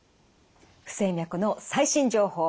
不整脈の最新情報